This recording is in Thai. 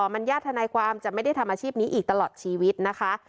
มันญาติทนายความจะไม่ได้ทำอาชีพนี้อีกตลอดชีวิตนะคะ